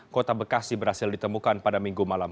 kota bekasi berhasil ditemukan pada minggu malam